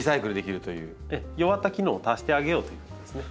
弱った機能を足してあげようということですね。